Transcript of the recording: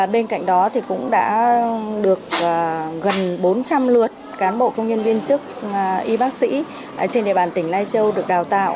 bên cạnh đó cũng đã được gần bốn trăm linh lượt cán bộ công nhân viên chức y bác sĩ trên địa bàn tỉnh lai châu được đào tạo